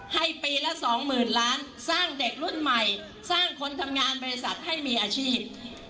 ให้ปีละสองหมื่นล้านสร้างเด็กรุ่นใหม่สร้างคนทำงานบริษัทให้มีอาชีพ